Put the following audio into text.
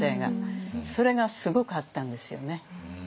それがすごくあったんですよね。